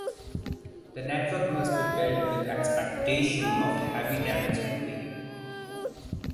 The network must be built with the expectation of heavy damage anyway.